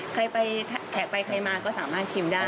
ใครไปแขกไปใครมาก็สามารถชิมได้